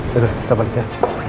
yaudah kita balik ya